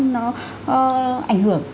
nó ảnh hưởng